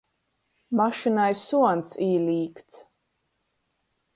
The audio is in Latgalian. Mašynai suons īlīkts.